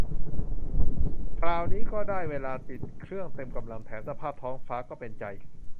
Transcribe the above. คราวนี้ก็ได้เวลาติดเครื่องเต็มกำลัง แถมสภาพท้องฟ้าก็เป็นใจ